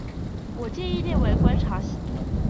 我建議列為觀察席